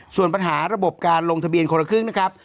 ส่วนปัญหาระบบการลงทะเบียนคนละครึ่งนะครับ